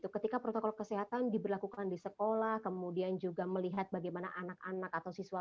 ketika protokol kesehatan diberlakukan di sekolah kemudian juga melihat bagaimana anak anak atau siswa